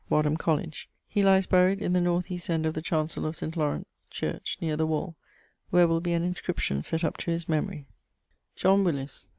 (Wadham College). He lyes buried in the north east end of the chancell of St. Laurence ... church, neer the wall, where will be an inscription sett up to his memorie. =John Willis.